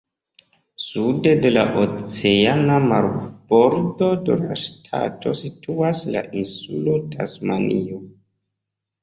Sude de la oceana marbordo de la ŝtato situas la insulo Tasmanio.